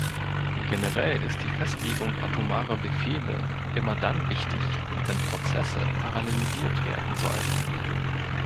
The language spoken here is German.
Generell ist die Festlegung atomarer Befehle immer dann wichtig, wenn Prozesse parallelisiert werden sollen.